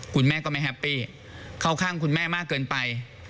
คุณแม่ก็ไม่แฮปปี้เข้าข้างคุณแม่มากเกินไป